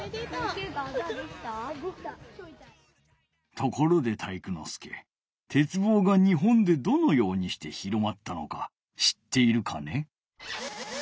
ところで体育ノ介鉄棒が日本でどのようにして広まったのか知っているかね？